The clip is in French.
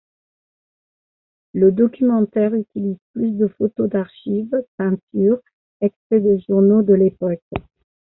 Le documentaire utilise plus de photos d'archives, peintures, extraits de journaux de l'époque.